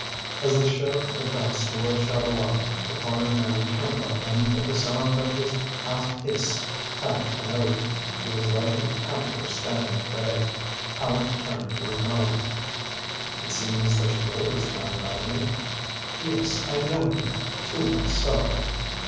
As the sheriff advanced toward Chatelard, the cornered man turned on him with a sound that was half hiss, half an oath. He was like a panther standing at bay. Aleck turned toward Mélanie. "It seems that you know this man, Mélanie?" "Yes, I know him to my sorrow."